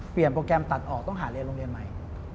โปรแกรมตัดออกต้องหาเรียนโรงเรียนใหม่